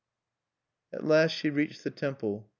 At last she reached the temple.